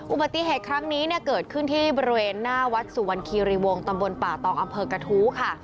อุบัติเหตุครั้งนี้เนี่ยเกิดขึ้นที่บริเวณหน้าวัดสุวรรณคีรีวงตำบลป่าตองอำเภอกระทู้ค่ะ